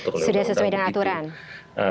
sudah sesuai dengan aturan